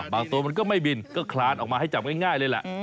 ตัวมันก็ไม่บินก็คลานออกมาให้จับง่ายเลยแหละ